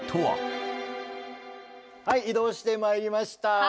はい移動してまいりました。